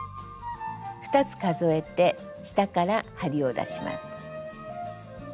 ２つ数えて下から針を出します。